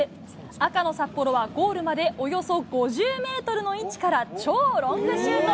赤の札幌は、ゴールまでおよそ５０メートルの位置から超ロングシュート。